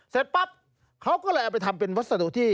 เสร็จปั๊บเขาก็เลยเอาไปทำเป็นวัสดุที่